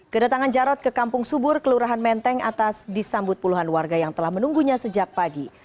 kedatangan jarod ke kampung subur kelurahan menteng atas disambut puluhan warga yang telah menunggunya sejak pagi